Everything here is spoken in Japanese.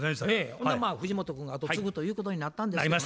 ほんで藤本君が後継ぐということになったんですがね